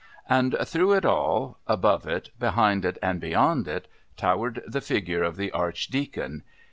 And through it all, above it, behind it and beyond it, towered the figure of the Archdeacon.